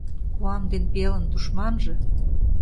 Куан ден пиалын тушманже –